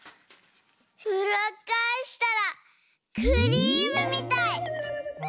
うらっかえしたらクリームみたい！